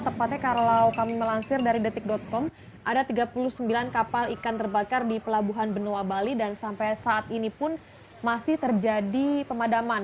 tepatnya kalau kami melansir dari detik com ada tiga puluh sembilan kapal ikan terbakar di pelabuhan benoa bali dan sampai saat ini pun masih terjadi pemadaman